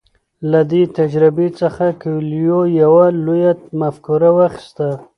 له دې تجربې څخه کویلیو یوه لویه مفکوره واخیسته.